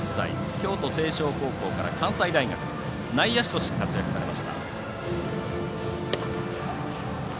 京都成章高校から関西大学、内野手として活躍されました。